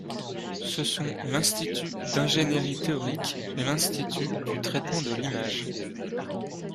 Ce sont l'Institut d'ingénérie théorique et l'institut du traitement de l'image.